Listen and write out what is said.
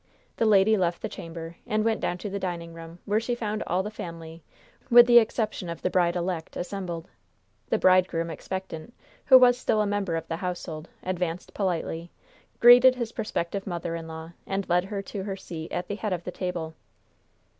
The lady left the chamber and went down to the dining room, where she found all the family, with the exception of the bride elect, assembled. The bridegroom expectant, who was still a member of the household, advanced politely, greeted his prospective mother in law and led her to her seat at the head of the table.